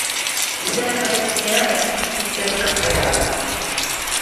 Izena emateko unea hemezortzi urtetik aurrera da.